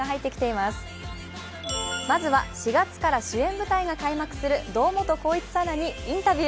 まずは、４月から主演舞台が開幕する堂本光一さんらにインタビュー。